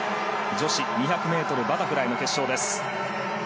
女子２００ｍバタフライの決勝です。